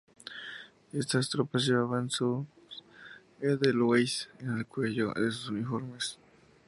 Estas tropas llevaban sus Edelweiss en el cuello de sus uniformes.